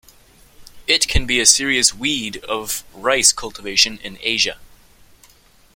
It can be a serious weed of rice cultivation in Asia.